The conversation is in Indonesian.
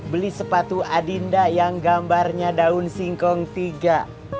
beli sepatu adinda yang gambarnya daun singkong tiga